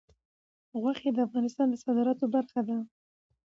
غوښې د افغانستان د صادراتو برخه ده.